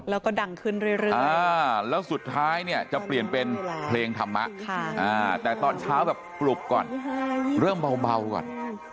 แล้วก็ดังขึ้นเรื่อยแล้วสุดท้ายเนี่ยจะเปลี่ยนเป็นเพลงธรรมะแต่ตอนเช้าแบบปลุกก่อนเริ่มเบาก่อน